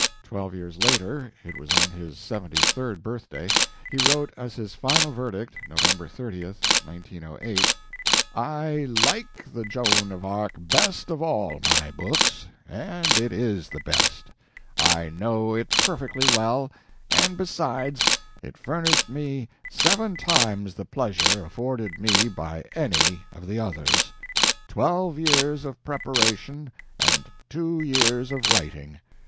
Twelve years later it was on his seventy third birthday he wrote as his final verdict, November 30, 1908: "I like the Joan of Arc best of all my books; and it is the best; I know it perfectly well, and, besides, it furnished me seven times the pleasure afforded me by any of the others; twelve years of preparation and two years of writing.